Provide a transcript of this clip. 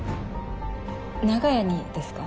長屋にですか？